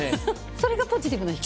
それがポジティブの秘訣。